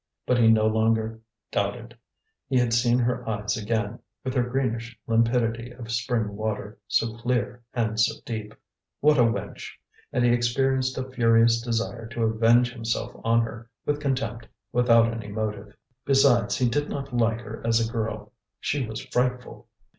But he no longer doubted; he had seen her eyes again, with their greenish limpidity of spring water, so clear and so deep. What a wench! And he experienced a furious desire to avenge himself on her with contempt, without any motive. Besides, he did not like her as a girl: she was frightful.